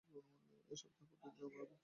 এই সপ্তাহে প্রতিদিনই আমার বক্তৃতা আছে।